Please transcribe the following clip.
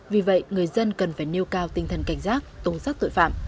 vì vậy người dân cần phải nêu cao tinh thần cảnh giác tổng sát tội phạm